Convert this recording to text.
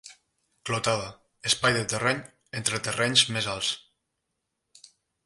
Clotada, espai de terreny entre terrenys més alts.